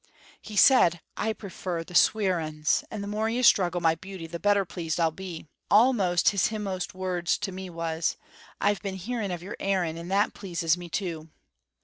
He said, 'I prefer the sweer anes, and the more you struggle, my beauty, the better pleased I'll be.' Almost his hinmost words to me was, 'I've been hearing of your Aaron, and that pleases me too!'